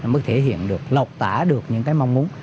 mới thể hiện được lột tả được những cái mong muốn